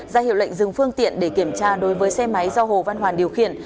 ra hiệu lệnh dừng phương tiện để kiểm tra đối với xe máy do hồ văn hoàn điều khiển